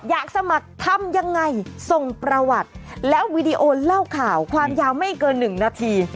อยากสมัครทำยังไงส่งประวัติและวีดีโอเล่าข่าวความยาวไม่เกิน๑นาที